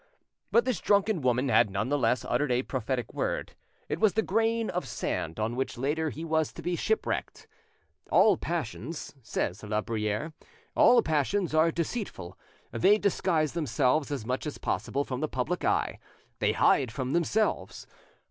But this drunken woman had none the less uttered a prophetic word; it was the grain of sand on which, later, he was to be shipwrecked. "All passions," says La Bruyere,—"all passions are deceitful; they disguise themselves as much as possible from the public eye; they hide from themselves.